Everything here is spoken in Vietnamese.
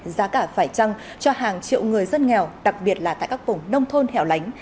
giá cả phải trăng cho hàng triệu người dân nghèo đặc biệt là tại các vùng nông thôn hẻo lánh